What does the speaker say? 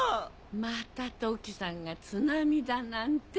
またトキさんが津波だなんて。